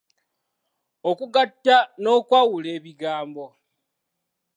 Okugatta n’okwawula ebigambo.